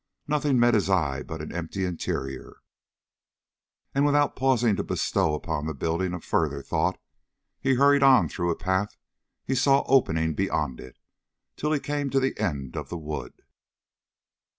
Nothing met his eyes but an empty interior, and without pausing to bestow upon the building a further thought, he hurried on through a path he saw opening beyond it, till he came to the end of the wood.